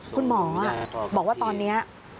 คุณหมอบอกว่าตอนนี้